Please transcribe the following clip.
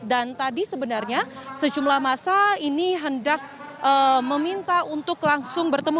dan tadi sebenarnya sejumlah masa ini hendak meminta untuk langsung bertemu